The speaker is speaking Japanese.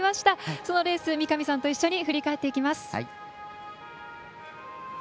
そのレース、三上さんと一緒に振り返っていきます。